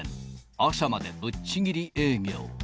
朝までぶっちぎり営業。